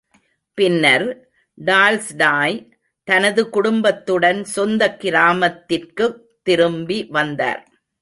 பின்னர், டால்ஸ்டாய் தனது குடும்பத்துடன் சொந்தக் கிராமத்திற்குத் திரும்பி வந்தார்.